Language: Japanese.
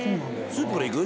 スープからいく？